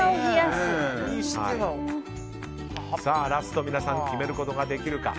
ラスト、皆さん決めることができるか。